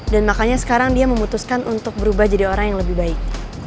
dan makanya sekarang dia memutuskan untuk berubah jadi orang yang lebih baik